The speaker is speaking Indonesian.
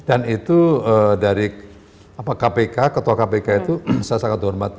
dan itu dari kpk ketua kpk itu saya sangat hormat